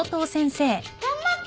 頑張った。